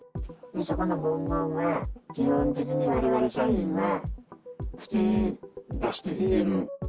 そこの文言は、基本的にわれわれ社員は、口に出して言える。